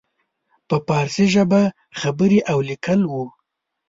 په فارسي ژبه خبرې او لیکل وو.